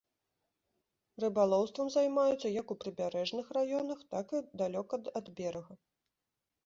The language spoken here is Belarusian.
Рыбалоўствам займаюцца як у прыбярэжных раёнах, так і далёка ад берага.